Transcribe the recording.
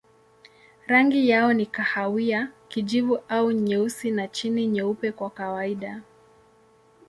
Rangi yao ni kahawia, kijivu au nyeusi na chini nyeupe kwa kawaida.